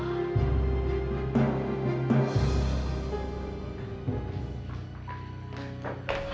tidak pengertian oke